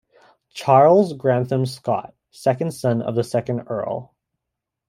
Charles Grantham Scott, second son of the second Earl.